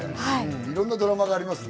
いろんなドラマがありますね。